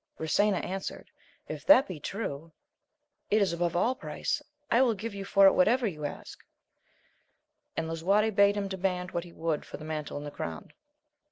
Brisena answered, If that be true, it is above all price ; I will give you for it whatever you ask : and Lisuarte bade him demand what he would for the mantle and the crown.